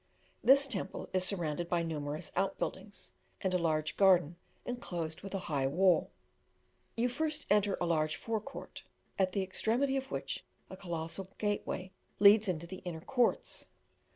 This temple is surrounded by numerous out buildings, and a large garden enclosed with a high wall. You first enter a large fore court, at the extremity of which a colossal gateway leads into the inner courts.